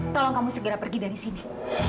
tolong kamu segera pergi dari sini